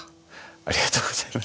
ありがとうございます。